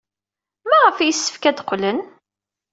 Maɣef ay yessefk ad qqlen?